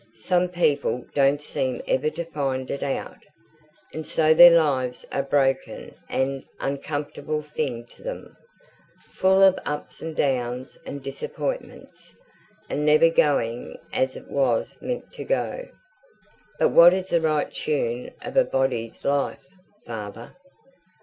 Some people don't seem ever to find it out, and so their lives are a broken and uncomfortable thing to them full of ups and downs and disappointments, and never going as it was meant to go." "But what is the right tune of a body's life, father?"